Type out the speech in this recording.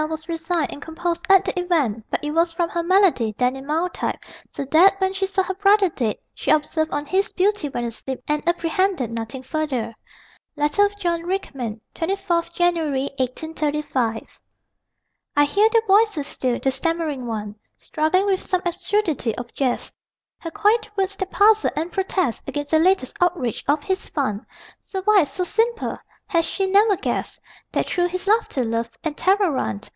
was resigned and composed at the event, but it was from her malady, then in mild type, so that when she saw her brother dead, she observed on his beauty when asleep and apprehended nothing further. Letter of John Rickman, 24 January, 1835. I hear their voices still: the stammering one Struggling with some absurdity of jest; Her quiet words that puzzle and protest Against the latest outrage of his fun. So wise, so simple has she never guessed That through his laughter, love and terror run?